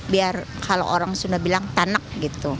biar kalau orang sunda bilang tanak gitu